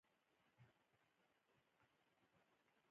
ښه مشوره ورکول د عقل کار دی.